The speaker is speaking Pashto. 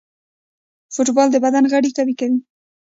فوټبال د بدن غړي قوي کوي.